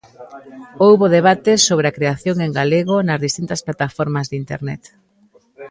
Houbo debates sobre a creación en galego nas distintas plataformas de Internet.